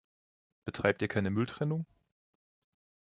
Betreibt ihr keine Mülltrennung?